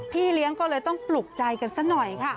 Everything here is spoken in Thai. พี่เลี้ยงก็เลยต้องปลุกใจกันซะหน่อยค่ะ